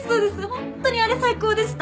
ホントにあれ最高でした。